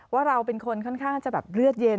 ว่าเราเป็นคนค่อนข้างจะแบบเลือดเย็น